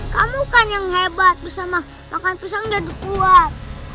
kamu kan yang hebat bersama makan pisang dan buah